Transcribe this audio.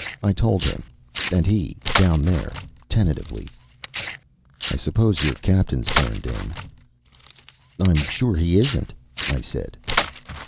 I told him. And he, down there, tentatively: "I suppose your captain's turned in?" "I am sure he isn't," I said.